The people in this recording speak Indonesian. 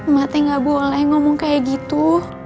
mak teh gak boleh ngomong kayak gitu